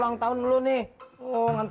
kan ulang tahun dia masih mau kasih selamat